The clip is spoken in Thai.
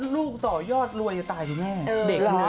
ลูกต่อยรวดรวยจะตายพริโมดามริบไป